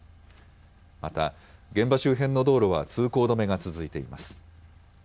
また現場周辺の道路は通行止めが続いています。